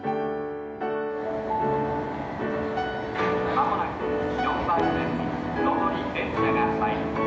「間もなく４番線に上り電車が参ります」。